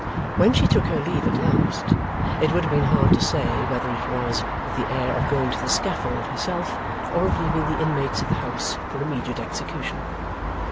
When she took her leave at last, it would have been hard to say whether it was with the air of going to the scaffold herself, or of leaving the inmates of the house for immediate execution.